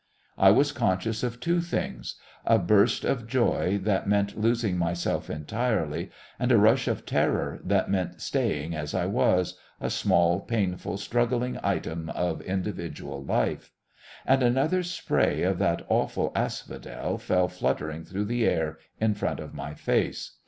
I was conscious of two things a burst of joy that meant losing myself entirely, and a rush of terror that meant staying as I was, a small, painful, struggling item of individual life. Another spray of that awful asphodel fell fluttering through the air in front of my face.